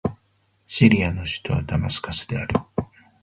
シリアの首都はダマスカスである